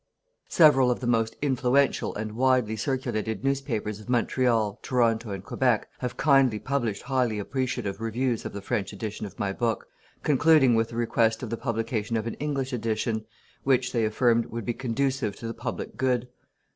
Several of the most influential and widely circulated News papers of Montreal, Toronto and Quebec, have kindly published highly appreciative Reviews of the French Edition of my book, concluding with the request of the publication of an English Edition, which, they affirmed, would be conducive to the public good.